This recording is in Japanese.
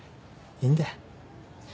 いいんだよ。